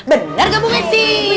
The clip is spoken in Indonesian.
bener gabungan sih